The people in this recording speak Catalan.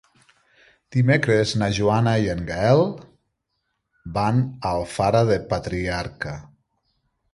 Dimecres na Joana i en Gaël van a Alfara del Patriarca.